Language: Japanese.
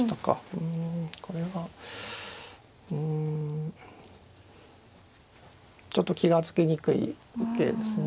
うんこれはうんちょっと気が付きにくい受けですね。